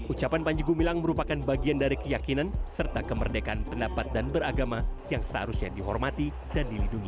ucapan panji gumilang merupakan bagian dari keyakinan serta kemerdekaan pendapat dan beragama yang seharusnya dihormati dan dilindungi